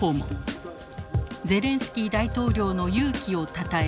ゼレンスキー大統領の勇気をたたえ